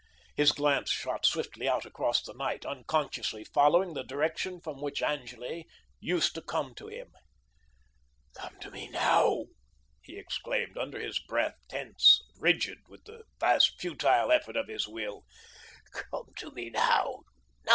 His glance shot swiftly out across the night, unconsciously following the direction from which Angele used to come to him. "Come to me now," he exclaimed under his breath, tense and rigid with the vast futile effort of his will. "Come to me now, now.